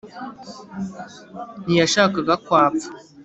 ntiyashakaga ko apfa